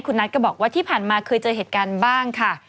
คุณนัทก็บอกว่าที่ผ่านมาเคยเจอเหตุการณ์บ้างค่ะ